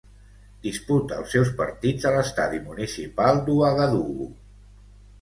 Disputa els seus partits a l'Estadi Municipal d'Ouagadougou.